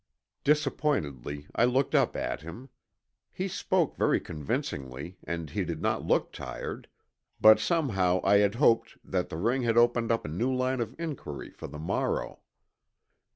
Disappointedly I looked up at him. He spoke very convincingly and he did look tired, but somehow I had hoped that the ring had opened up a new line of inquiry for the morrow.